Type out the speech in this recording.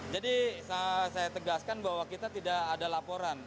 jadi saya tegaskan bahwa kita tidak ada laporan